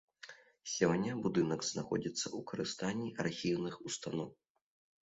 Сёння будынак знаходзіцца ў карыстанні архіўных устаноў.